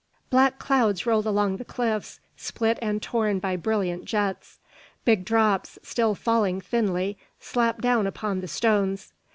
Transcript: Black clouds rolled along the cliffs, split and torn by brilliant jets. Big drops, still falling thinly, slapped down upon the stones.